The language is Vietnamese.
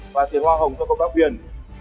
và tiền hoa hồng cho công tác viên